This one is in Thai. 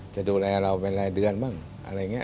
จะดูแลเราเป็นรายเดือนบ้างอะไรอย่างนี้